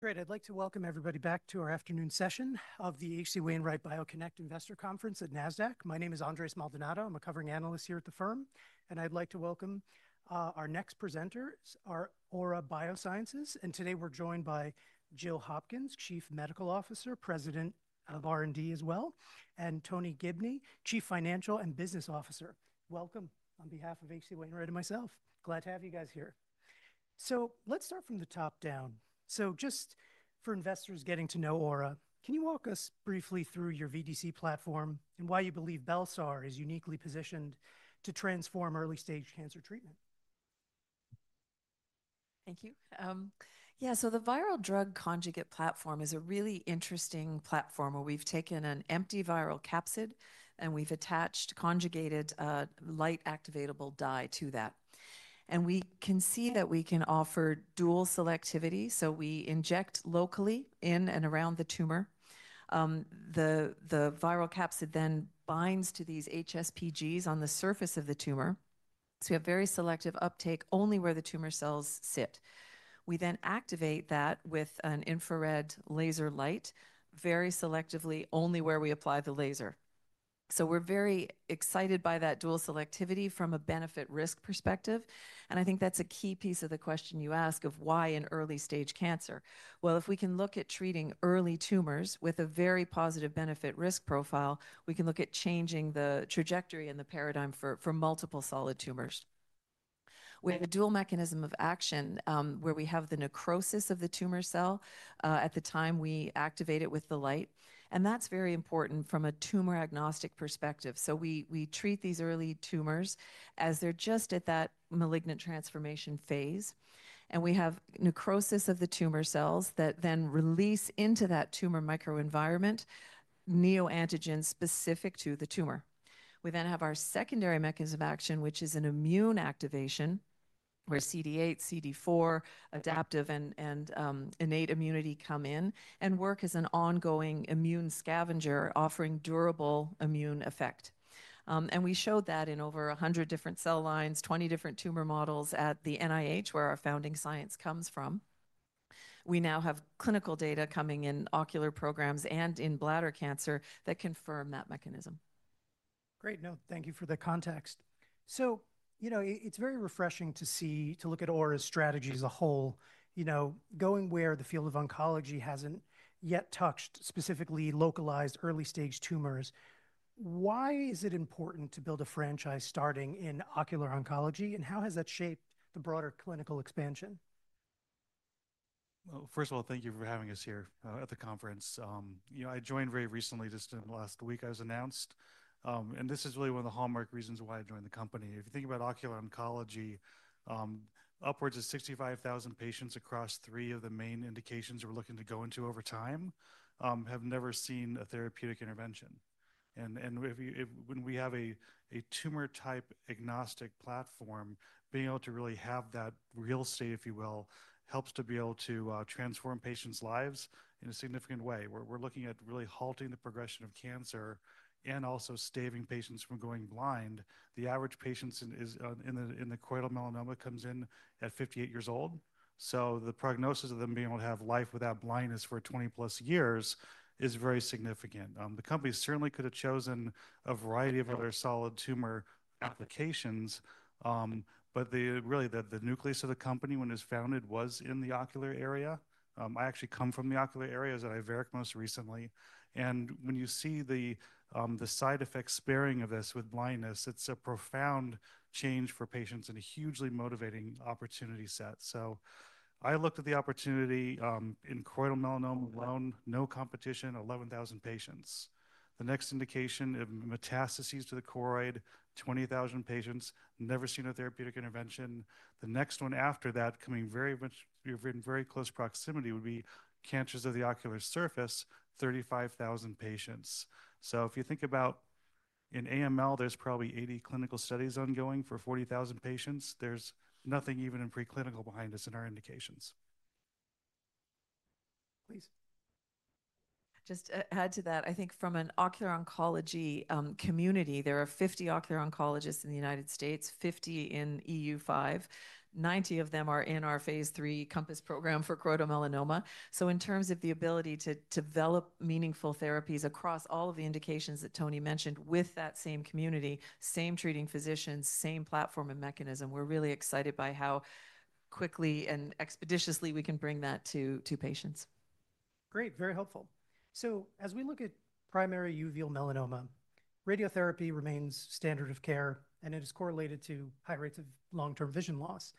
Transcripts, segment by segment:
Great. I'd like to welcome everybody back to our afternoon session of the H.C. Wainwright BioConnect Investor Conference at NASDAQ. My name is Andreas Maldonado. I'm a covering analyst here at the firm, and I'd like to welcome our next presenters, Aura Biosciences. Today we're joined by Jill Hopkins, Chief Medical Officer, President of R&D as well, and Tony Gibney, Chief Financial and Business Officer. Welcome on behalf of H.C. Wainwright and myself. Glad to have you guys here. Let's start from the top down. Just for investors getting to know Aura, can you walk us briefly through your VDC platform and why you believe bel-sar is uniquely positioned to transform early-stage cancer treatment? Thank you. Yeah. The viral drug conjugate platform is a really interesting platform where we've taken an empty viral capsid and we've attached conjugated light activatable dye to that. We can see that we can offer dual selectivity. We inject locally in and around the tumor. The viral capsid then binds to these HSPGs on the surface of the tumor. We have very selective uptake only where the tumor cells sit. We then activate that with an infrared laser light very selectively only where we apply the laser. We are very excited by that dual selectivity from a benefit-risk perspective. I think that's a key piece of the question you ask of why in early-stage cancer. If we can look at treating early tumors with a very positive benefit-risk profile, we can look at changing the trajectory and the paradigm for multiple solid tumors. We have a dual mechanism of action where we have the necrosis of the tumor cell at the time we activate it with the light. That is very important from a tumor-agnostic perspective. We treat these early tumors as they're just at that malignant transformation phase. We have necrosis of the tumor cells that then release into that tumor microenvironment neoantigens specific to the tumor. We then have our secondary mechanism of action, which is an immune activation where CD8, CD4, adaptive and innate immunity come in and work as an ongoing immune scavenger offering durable immune effect. We showed that in over 100 different cell lines, 20 different tumor models at the NIH, where our founding science comes from. We now have clinical data coming in ocular programs and in bladder cancer that confirm that mechanism. Great note. Thank you for the context. You know, it's very refreshing to see, to look at Aura's strategy as a whole, you know, going where the field of oncology hasn't yet touched, specifically localized early-stage tumors. Why is it important to build a franchise starting in ocular oncology and how has that shaped the broader clinical expansion? First of all, thank you for having us here at the conference. You know, I joined very recently, just in the last week I was announced. This is really one of the hallmark reasons why I joined the company. If you think about ocular oncology, upwards of 65,000 patients across three of the main indications we're looking to go into over time have never seen a therapeutic intervention. When we have a tumor-type agnostic platform, being able to really have that real estate, if you will, helps to be able to transform patients' lives in a significant way. We're looking at really halting the progression of cancer and also staving patients from going blind. The average patient in the choroidal melanoma comes in at 58 years old. The prognosis of them being able to have life without blindness for 20 plus years is very significant. The company certainly could have chosen a variety of other solid tumor applications, but really the nucleus of the company when it was founded was in the ocular area. I actually come from the ocular area, as an Iveric most recently. When you see the side effect sparing of this with blindness, it's a profound change for patients and a hugely motivating opportunity set. I looked at the opportunity in choroidal melanoma alone, no competition, 11,000 patients. The next indication of metastases to the choroid, 20,000 patients, never seen a therapeutic intervention. The next one after that, coming very much in very close proximity would be cancers of the ocular surface, 35,000 patients. If you think about in AML, there's probably 80 clinical studies ongoing for 40,000 patients. There's nothing even in preclinical behind us in our indications. Please. Just add to that. I think from an ocular oncology community, there are 50 ocular oncologists in the United States, 50 in EU5. Ninety of them are in our phase three Compass program for choroidal melanoma. In terms of the ability to develop meaningful therapies across all of the indications that Tony mentioned with that same community, same treating physicians, same platform and mechanism, we are really excited by how quickly and expeditiously we can bring that to patients. Great. Very helpful. As we look at primary uveal melanoma, radiotherapy remains standard of care and it is correlated to high rates of long-term vision loss.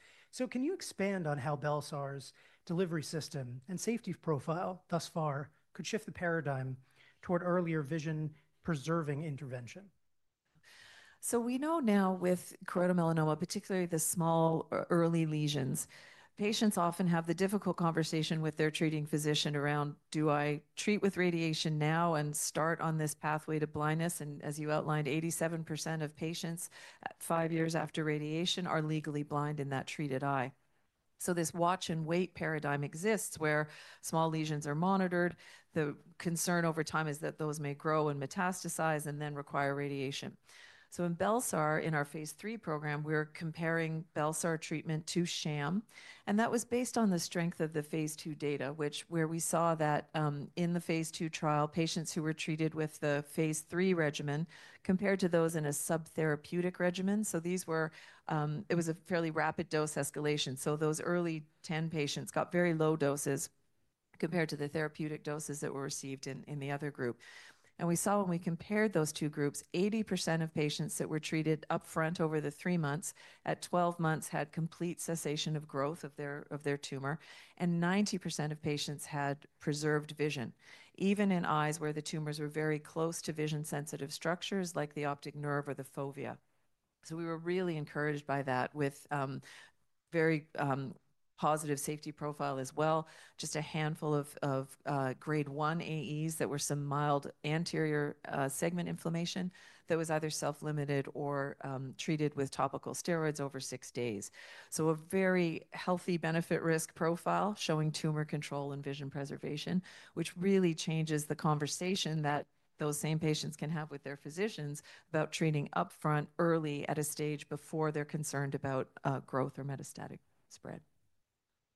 Can you expand on how bel-sar's delivery system and safety profile thus far could shift the paradigm toward earlier vision preserving intervention? We know now with choroidal melanoma, particularly the small early lesions, patients often have the difficult conversation with their treating physician around, do I treat with radiation now and start on this pathway to blindness? As you outlined, 87% of patients five years after radiation are legally blind in that treated eye. This watch and wait paradigm exists where small lesions are monitored. The concern over time is that those may grow and metastasize and then require radiation. In bel-sar, in our phase 3 program, we're comparing bel-sar treatment to sham. That was based on the strength of the phase 2 data, where we saw that in the phase 2 trial, patients who were treated with the phase 3 regimen compared to those in a subtherapeutic regimen. It was a fairly rapid dose escalation. Those early 10 patients got very low doses compared to the therapeutic doses that were received in the other group. We saw when we compared those two groups, 80% of patients that were treated upfront over the three months at 12 months had complete cessation of growth of their tumor and 90% of patients had preserved vision, even in eyes where the tumors were very close to vision sensitive structures like the optic nerve or the fovea. We were really encouraged by that with very positive safety profile as well. Just a handful of grade one AEs that were some mild anterior segment inflammation that was either self-limited or treated with topical steroids over six days. A very healthy benefit-risk profile showing tumor control and vision preservation, which really changes the conversation that those same patients can have with their physicians about treating upfront early at a stage before they're concerned about growth or metastatic spread.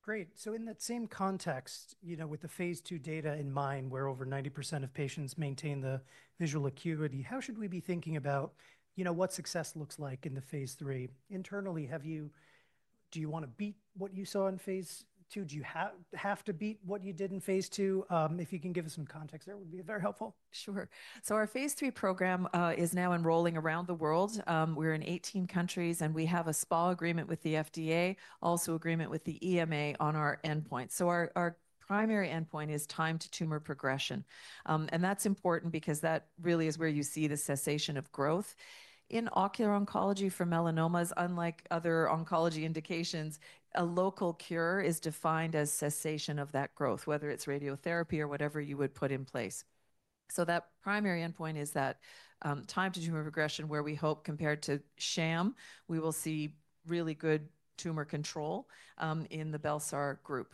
Great. In that same context, you know, with the phase two data in mind, where over 90% of patients maintain the visual acuity, how should we be thinking about, you know, what success looks like in the phase three? Internally, have you, do you want to beat what you saw in phase two? Do you have to beat what you did in phase two? If you can give us some context, that would be very helpful. Sure. Our phase three program is now enrolling around the world. We're in 18 countries and we have a SPA agreement with the FDA, also agreement with the EMA on our endpoint. Our primary endpoint is time to tumor progression. That's important because that really is where you see the cessation of growth. In ocular oncology for melanomas, unlike other oncology indications, a local cure is defined as cessation of that growth, whether it's radiotherapy or whatever you would put in place. That primary endpoint is that time to tumor progression where we hope compared to sham, we will see really good tumor control in the bel-sar group.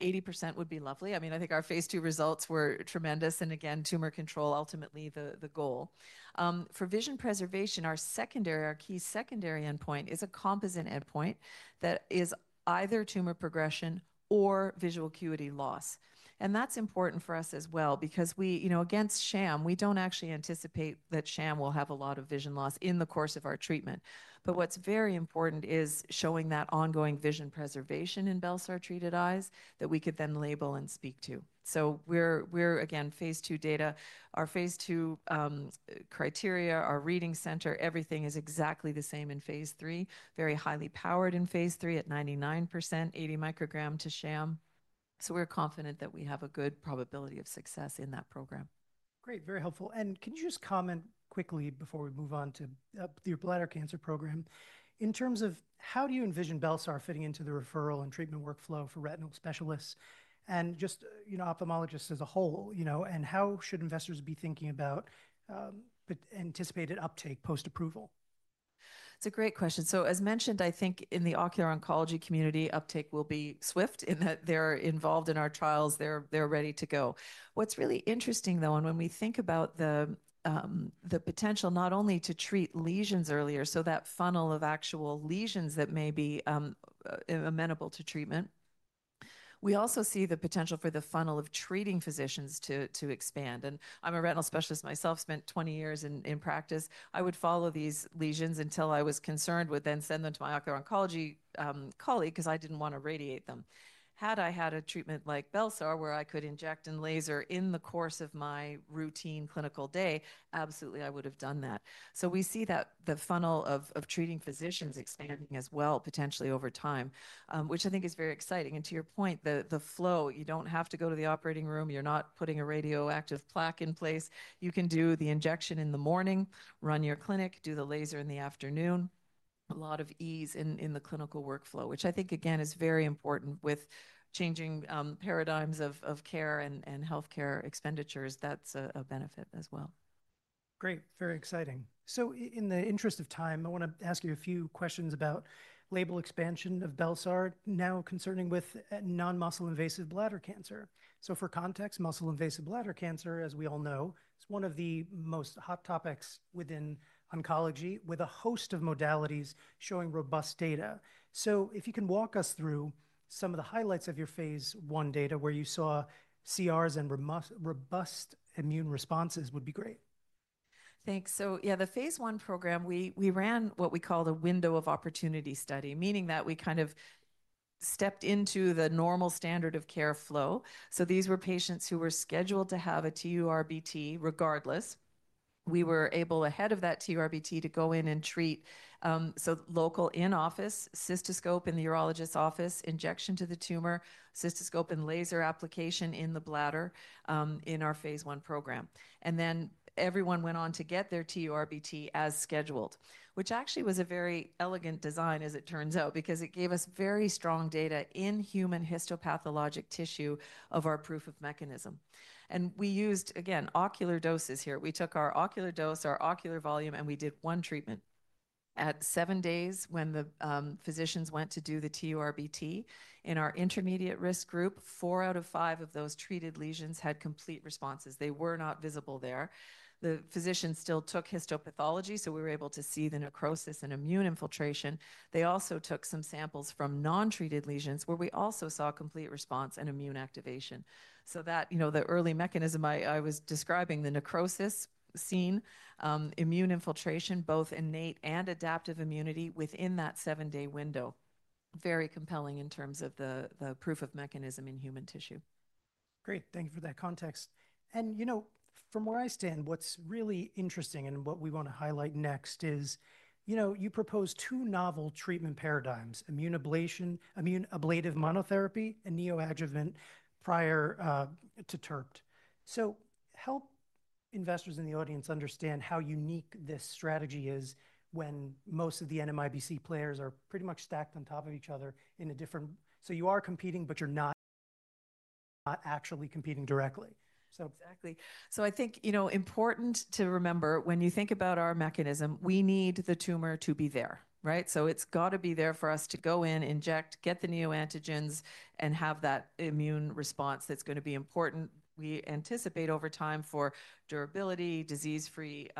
80% would be lovely. I mean, I think our phase two results were tremendous. Again, tumor control ultimately the goal. For vision preservation, our key secondary endpoint is a composite endpoint that is either tumor progression or visual acuity loss. That is important for us as well because we, you know, against sham, we do not actually anticipate that sham will have a lot of vision loss in the course of our treatment. What is very important is showing that ongoing vision preservation in bel-sar treated eyes that we could then label and speak to. We are, again, phase two data, our phase two criteria, our reading center, everything is exactly the same in phase three, very highly powered in phase three at 99%, 80 microgram to sham. We are confident that we have a good probability of success in that program. Great. Very helpful. Can you just comment quickly before we move on to your bladder cancer program? In terms of how do you envision bel-sar fitting into the referral and treatment workflow for retinal specialists and just, you know, ophthalmologists as a whole, you know, and how should investors be thinking about anticipated uptake post-approval? It's a great question. As mentioned, I think in the ocular oncology community, uptake will be swift in that they're involved in our trials. They're ready to go. What's really interesting though, and when we think about the potential not only to treat lesions earlier, so that funnel of actual lesions that may be amenable to treatment, we also see the potential for the funnel of treating physicians to expand. I'm a retinal specialist myself, spent 20 years in practice. I would follow these lesions until I was concerned with then send them to my ocular oncology colleague 'cause I didn't want to radiate them. Had I had a treatment like bel-sar where I could inject and laser in the course of my routine clinical day, absolutely I would've done that. We see that the funnel of treating physicians expanding as well potentially over time, which I think is very exciting. To your point, the flow, you do not have to go to the operating room. You are not putting a radioactive plaque in place. You can do the injection in the morning, run your clinic, do the laser in the afternoon. A lot of ease in the clinical workflow, which I think again is very important with changing paradigms of care and healthcare expenditures. That is a benefit as well. Great. Very exciting. In the interest of time, I want to ask you a few questions about label expansion of bel-sar now concerning with non-muscle invasive bladder cancer. For context, muscle invasive bladder cancer, as we all know, is one of the most hot topics within oncology with a host of modalities showing robust data. If you can walk us through some of the highlights of your phase I data where you saw CRs and robust immune responses, that would be great. Thanks. Yeah, the phase one program, we ran what we call a window of opportunity study, meaning that we kind of stepped into the normal standard of care flow. These were patients who were scheduled to have a TURBT regardless. We were able ahead of that TURBT to go in and treat. Local in-office cystoscope in the urologist's office, injection to the tumor, cystoscope and laser application in the bladder in our phase one program. Then everyone went on to get their TURBT as scheduled, which actually was a very elegant design as it turns out because it gave us very strong data in human histopathologic tissue of our proof of mechanism. We used again, ocular doses here. We took our ocular dose, our ocular volume, and we did one treatment at seven days when the physicians went to do the TURBT in our intermediate risk group, four out of five of those treated lesions had complete responses. They were not visible there. The physicians still took histopathology, so we were able to see the necrosis and immune infiltration. They also took some samples from non-treated lesions where we also saw complete response and immune activation. So that, you know, the early mechanism I was describing, the necrosis seen, immune infiltration, both innate and adaptive immunity within that seven-day window. Very compelling in terms of the proof of mechanism in human tissue. Great. Thank you for that context. You know, from where I stand, what's really interesting and what we want to highlight next is, you know, you propose two novel treatment paradigms, immune ablation, immune ablative monotherapy and neoadjuvant prior to TURBT. Help investors in the audience understand how unique this strategy is when most of the NMIBC players are pretty much stacked on top of each other in a different, so you are competing, but you're not actually competing directly. Exactly. I think, you know, important to remember when you think about our mechanism, we need the tumor to be there, right? It's gotta be there for us to go in, inject, get the neoantigens, and have that immune response that's gonna be important. We anticipate over time for durability, disease-free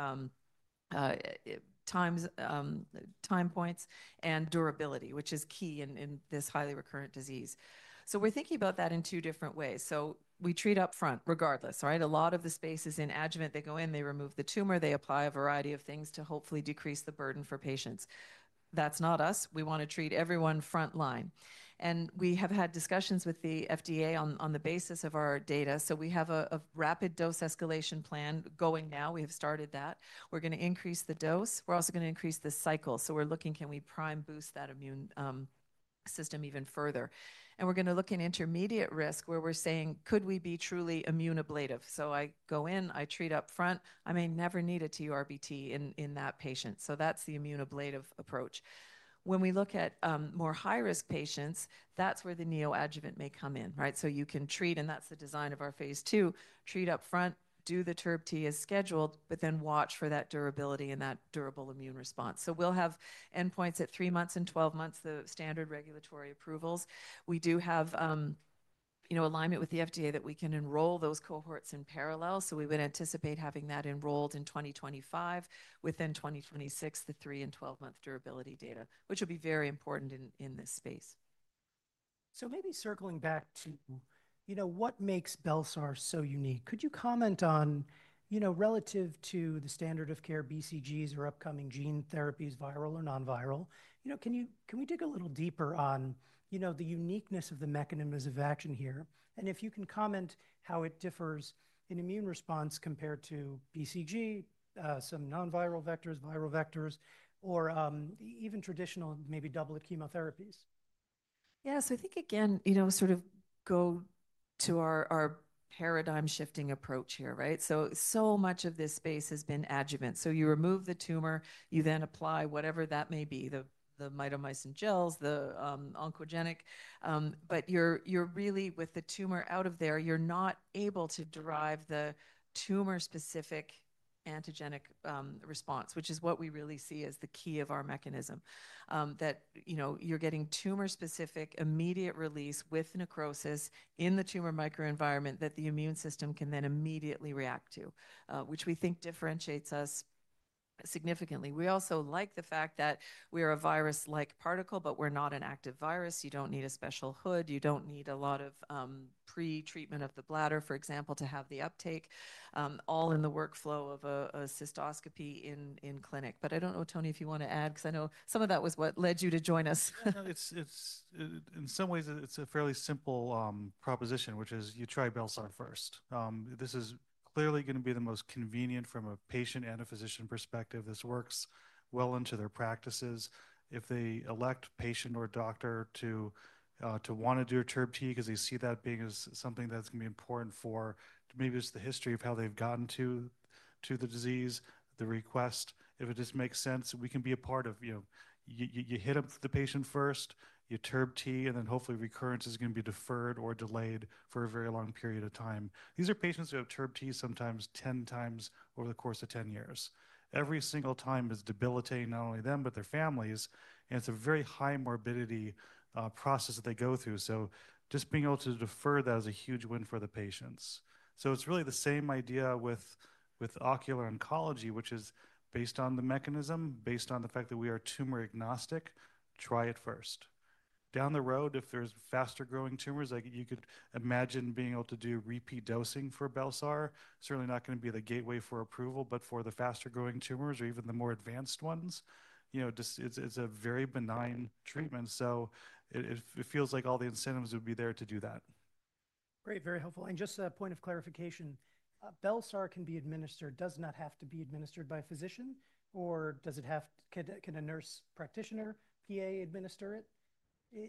time points, and durability, which is key in this highly recurrent disease. We're thinking about that in two different ways. We treat upfront regardless, right? A lot of the space is in adjuvant. They go in, they remove the tumor, they apply a variety of things to hopefully decrease the burden for patients. That's not us. We want to treat everyone frontline. We have had discussions with the FDA on the basis of our data. We have a rapid dose escalation plan going now. We have started that. We're gonna increase the dose. We're also gonna increase the cycle. So we're looking, can we prime boost that immune system even further? And we're gonna look in intermediate risk where we're saying, could we be truly immune ablative? So I go in, I treat upfront. I may never need a TURBT in that patient. So that's the immune ablative approach. When we look at more high-risk patients, that's where the neoadjuvant may come in, right? You can treat, and that's the design of our phase two, treat upfront, do the TURBT as scheduled, but then watch for that durability and that durable immune response. We'll have endpoints at three months and 12 months, the standard regulatory approvals. We do have, you know, alignment with the FDA that we can enroll those cohorts in parallel. We would anticipate having that enrolled in 2025, within 2026, the three and 12-month durability data, which will be very important in this space. Maybe circling back to, you know, what makes bel-sar so unique? Could you comment on, you know, relative to the standard of care BCGs or upcoming gene therapies, viral or non-viral, you know, can you, can we dig a little deeper on, you know, the uniqueness of the mechanisms of action here? And if you can comment how it differs in immune response compared to BCG, some non-viral vectors, viral vectors, or even traditional, maybe double chemotherapies. Yeah. I think again, you know, sort of go to our paradigm shifting approach here, right? So much of this space has been adjuvant. You remove the tumor, you then apply whatever that may be, the mitomycin gels, the oncogenic, but you're really with the tumor out of there, you're not able to derive the tumor-specific antigenic response, which is what we really see as the key of our mechanism, that, you know, you're getting tumor-specific immediate release with necrosis in the tumor microenvironment that the immune system can then immediately react to, which we think differentiates us significantly. We also like the fact that we are a virus-like particle, but we're not an active virus. You don't need a special hood. You don't need a lot of pretreatment of the bladder, for example, to have the uptake, all in the workflow of a cystoscopy in clinic. I do not know, Tony, if you wanna add, 'cause I know some of that was what led you to join us. It's in some ways, it's a fairly simple proposition, which is you try bel-sar first. This is clearly gonna be the most convenient from a patient and a physician perspective. This works well into their practices. If they elect, patient or doctor, to want to do a TURBT, 'cause they see that being as something that's gonna be important for maybe just the history of how they've gotten to the disease, the request, if it just makes sense, we can be a part of, you know, you hit up the patient first, you TURBT, and then hopefully recurrence is gonna be deferred or delayed for a very long period of time. These are patients who have TURBT sometimes 10 times over the course of 10 years. Every single time is debilitating not only them, but their families. It's a very high morbidity process that they go through. Just being able to defer that is a huge win for the patients. It is really the same idea with ocular oncology, which is based on the mechanism, based on the fact that we are tumor agnostic, try it first. Down the road, if there are faster growing tumors, like you could imagine being able to do repeat dosing for bel-sar, certainly not gonna be the gateway for approval, but for the faster growing tumors or even the more advanced ones, you know, it is a very benign treatment. It feels like all the incentives would be there to do that. Great. Very helpful. Just a point of clarification, bel-sar can be administered, does not have to be administered by a physician, or does it have, can a nurse practitioner, PA administer it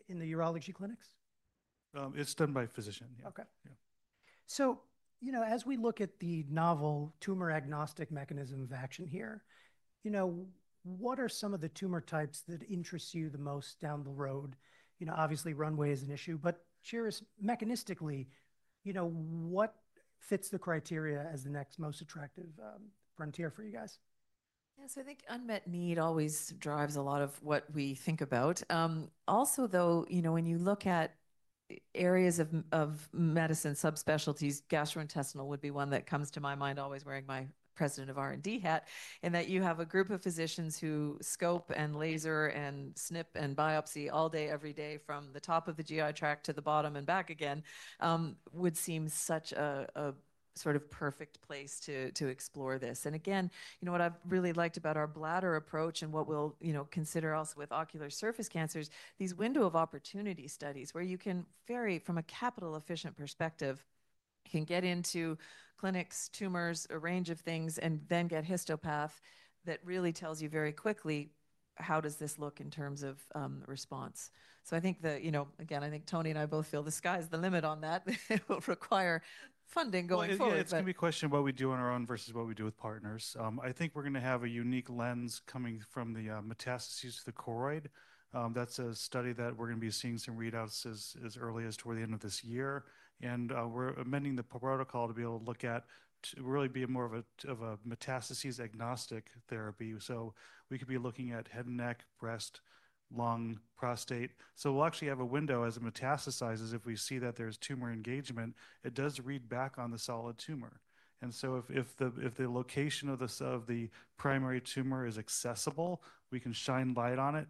in the urology clinics? It's done by a physician. Yeah. Okay. Yeah. You know, as we look at the novel tumor agnostic mechanism of action here, you know, what are some of the tumor types that interest you the most down the road? You know, obviously runway is an issue, but curious mechanistically, you know, what fits the criteria as the next most attractive frontier for you guys? Yeah. I think unmet need always drives a lot of what we think about. Also though, you know, when you look at areas of medicine, subspecialties, gastrointestinal would be one that comes to my mind always wearing my President of R&D hat, and that you have a group of physicians who scope and laser and snip and biopsy all day, every day from the top of the GI tract to the bottom and back again, would seem such a sort of perfect place to explore this. You know, what I've really liked about our bladder approach and what we'll, you know, consider also with ocular surface cancers, these window of opportunity studies where you can, from a capital efficient perspective, get into clinics, tumors, a range of things, and then get histopath that really tells you very quickly how does this look in terms of response. I think, you know, again, I think Tony and I both feel the sky's the limit on that. It will require funding going forward. Yeah. It's gonna be a question of what we do on our own versus what we do with partners. I think we're gonna have a unique lens coming from the metastases to the choroid. That's a study that we're gonna be seeing some readouts as early as toward the end of this year. We're amending the protocol to be able to look at really be more of a metastases-agnostic therapy. We could be looking at head and neck, breast, lung, prostate. We'll actually have a window as it metastasizes. If we see that there's tumor engagement, it does read back on the solid tumor. If the location of the primary tumor is accessible, we can shine light on it,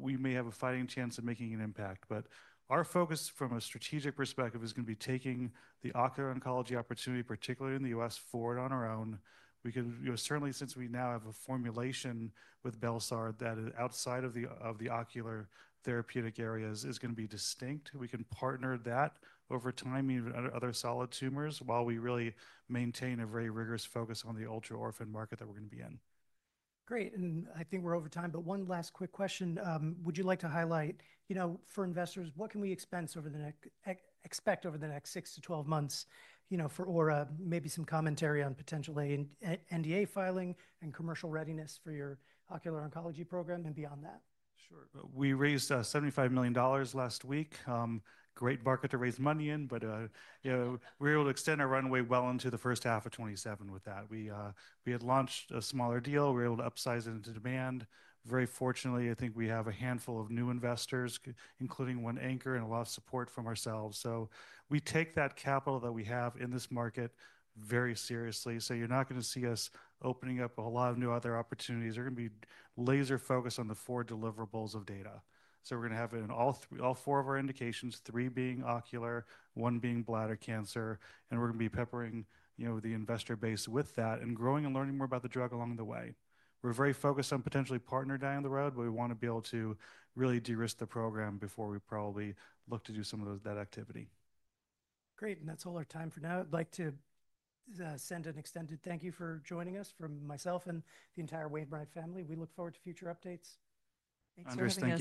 we may have a fighting chance of making an impact. Our focus from a strategic perspective is gonna be taking the ocular oncology opportunity, particularly in the U.S., forward on our own. We can, you know, certainly since we now have a formulation with bel-sar that is outside of the ocular therapeutic areas, it is gonna be distinct. We can partner that over time, meaning other solid tumors, while we really maintain a very rigorous focus on the ultra-orphan market that we're gonna be in. Great. I think we're over time, but one last quick question. Would you like to highlight, you know, for investors, what can we expect over the next six to 12 months, you know, for Aura, maybe some commentary on potentially NDA filing and commercial readiness for your ocular oncology program and beyond that? Sure. We raised $75 million last week. Great market to raise money in, but you know, we were able to extend our runway well into the first half of 2027 with that. We had launched a smaller deal. We were able to upsize it into demand. Very fortunately, I think we have a handful of new investors, including one anchor and a lot of support from ourselves. We take that capital that we have in this market very seriously. You're not gonna see us opening up a lot of new other opportunities. We're gonna be laser-focused on the four deliverables of data. We're gonna have all four of our indications, three being ocular, one being bladder cancer, and we're gonna be peppering, you know, the investor base with that and growing and learning more about the drug along the way. We're very focused on potentially partner down the road, but we wanna be able to really de-risk the program before we probably look to do some of that activity. Great. That is all our time for now. I would like to send an extended thank you for joining us from myself and the entire Aura Biosciences family. We look forward to future updates. Thanks so much. Understand.